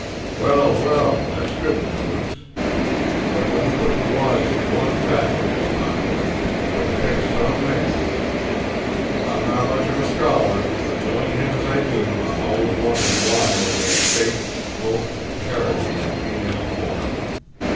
"Well, well; that's good news! But let me put you wise to one fact, Miss Conover: you have picked some man! I'm not much of a scholar, but knowing him as I do I'm always wondering why they made Faith, Hope, and Charity in female form.